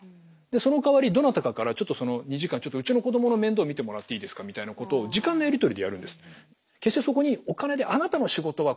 でそのかわりどなたかからちょっとその２時間ちょっとうちの子供の面倒を見てもらっていいですかみたいなことを時間のやり取りでやるんです。